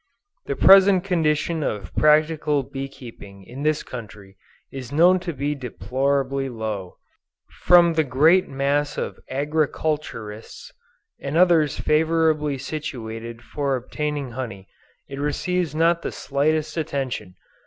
The present condition of practical bee keeping in this country, is known to be deplorably low. From the great mass of agriculturists, and others favorably situated for obtaining honey, it receives not the slightest attention.